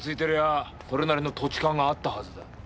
あそれなりの土地勘があったはずだ。